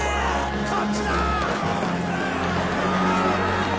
こっちだ！